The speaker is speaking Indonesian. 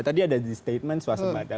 tadi ada di statement swasembada